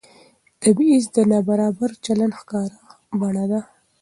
تبعیض د نابرابر چلند ښکاره بڼه ده